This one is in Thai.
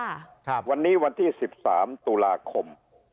ครับวันนี้วันที่สิบสามตุลาคม